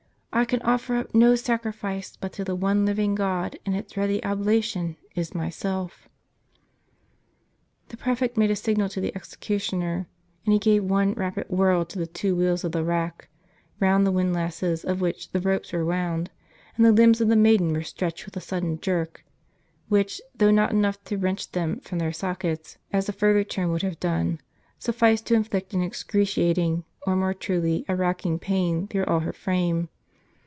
I can offer up no sacrifice but to the one living God : and its ready oblation is myself." The prefect made a signal to the executioner, and he gave one I'apid whirl to the two wheels of the rack, round the wind lasses of which the ropes were wound ; and the limbs of the maiden were stretched with a sudden jerk, which, though not enough to wrench them from their sockets, as a further turn would have done, sufficed to inflict an excruciating, or more truly, a racking pain, through all her frame.